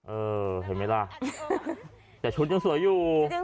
เออเห็นไหมล่ะแต่ชุดยังสวยอยู่